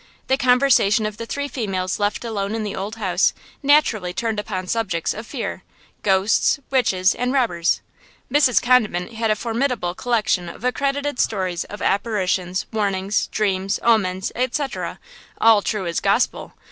The conversation of the three females left alone in the old house naturally turned upon subjects of fear–ghosts, witches and robbers. Mrs. Condiment had a formidable collection of accredited stories of apparitions, warnings, dreams, omens, etc., all true as gospel.